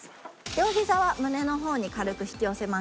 両膝は胸の方に軽く引き寄せましょう。